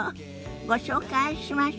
ご紹介しましょ。